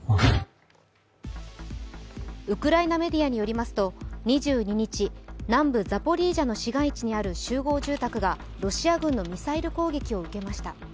ウクライナメディアによりますと２２日、南部ザポリージャの市街地にある集合住宅が、ロシア軍のミサイル攻撃を受けました。